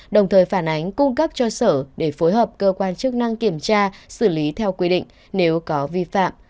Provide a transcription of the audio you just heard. đồng thời phản ánh cung cấp cho sở để phối hợp cơ quan chức năng kiểm tra xử lý theo quy định nếu có vi phạm